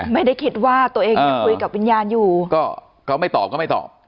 ไม่ได้คิดว่าตัวเองจะคุยกับวิญญาณอยู่ก็ไม่ตอบ